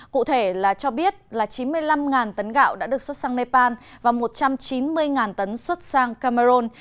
cụ thể là cho biết là chín mươi năm tấn gạo đã được xuất sang nepal và một trăm chín mươi tấn xuất sang cameroon